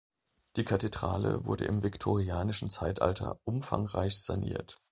Die Kathedrale wurde im viktorianischen Zeitalter umfangreich saniert.